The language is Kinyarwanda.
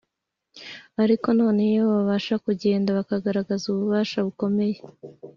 ariko noneho iyo babasha kugenda bakagaragaza ububasha bukomeye